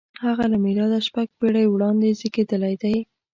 • هغه له مېلاده شپږ پېړۍ وړاندې زېږېدلی دی.